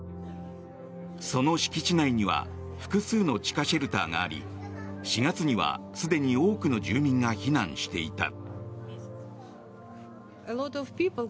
その敷地内には複数の地下シェルターがあり４月には、すでに多くの住民が避難していた。